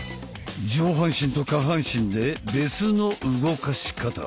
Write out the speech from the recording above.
上半身と下半身で別の動かし方。